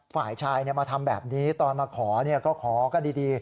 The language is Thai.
ฝ่ายชายมาทำแบบนี้ตอนมาขอก็ขอกันดี